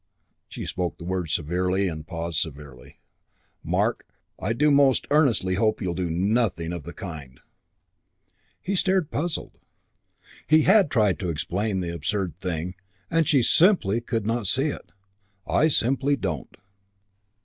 She spoke the word severely and paused severely. "Mark. I do most earnestly hope you'll do nothing of the kind." He stared, puzzled. He had tried to explain the absurd thing, and she simply could not see it. "I simply don't."